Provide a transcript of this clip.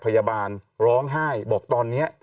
พยาบาลร้องไห้บอกตอนนี้